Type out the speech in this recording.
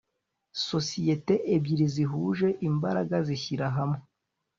sosiyete ebyiri zahuje imbaraga zishyira hamwe